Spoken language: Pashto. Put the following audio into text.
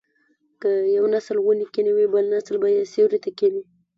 که یو نسل ونې کینوي بل نسل به یې سیوري ته کیني.